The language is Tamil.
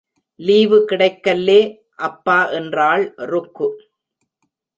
லீவு கிடைக்கல்லே அப்பா என்றாள் ருக்கு.